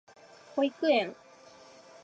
保育園